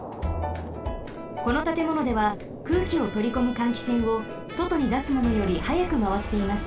このたてものでは空気をとりこむ換気扇をそとにだすものよりはやくまわしています。